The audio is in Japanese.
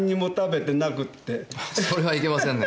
それはいけませんね。